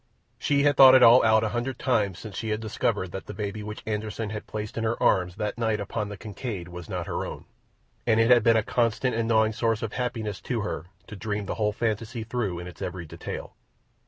She had thought it all out a hundred times since she had discovered that the baby which Anderssen had placed in her arms that night upon the Kincaid was not her own, and it had been a constant and gnawing source of happiness to her to dream the whole fantasy through in its every detail.